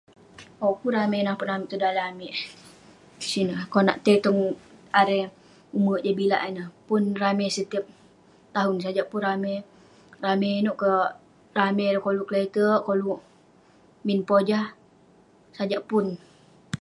Owk..pun ramei napun amik tong daleh amik sineh..konak tai tong arei..tong ume' jabilak ineh..pun ramei setiap tahun, sajak pun ramei , ramei inouk ka ramei ireh koluk kle'terk..koluk min pojah..sajak pun..